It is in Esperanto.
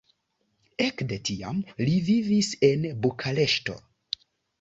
Ekde tiam li vivis en Bukareŝto.